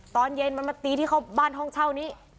ตอนเย็นมันมาตีที่เข้าบ้านห้องเช่านี้